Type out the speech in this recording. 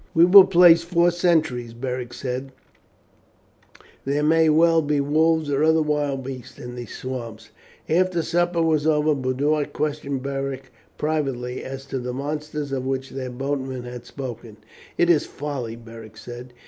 "We will place four sentries," Beric said, "there may well be wolves or other wild beasts in these swamps." After supper was over Boduoc questioned Beric privately as to the monsters of which their boatman had spoken. "It is folly," Beric said.